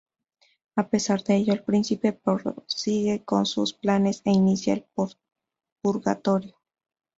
A pesar de ello, el príncipe prosigue con sus planes e inicia el purgatorio.